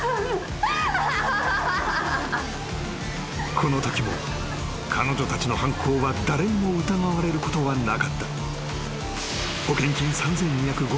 ［このときも彼女たちの犯行は誰にも疑われることはなかった］